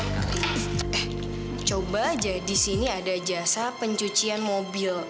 eh coba aja di sini ada jasa pencucian mobil